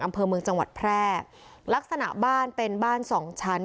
อำเภอเมืองจังหวัดแพร่ลักษณะบ้านเป็นบ้านสองชั้น